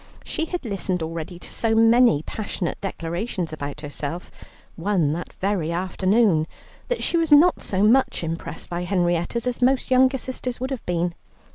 She had listened already to so many passionate declarations about herself (one that very afternoon) that she was not so much impressed by Henrietta's as most younger sisters would have been.